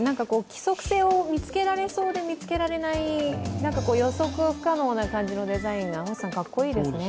規則性を見つけられそうで見つけられない、予測不可能な感じのデザインが、かっこいいですね。